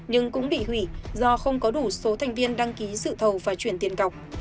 nhưng cũng bị hủy do không có đủ số thành viên đăng ký sự thầu và chuyển tiền cọc